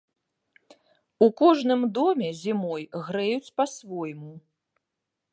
У кожным доме зімой грэюць па-свойму.